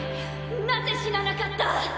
なぜ死ななかった？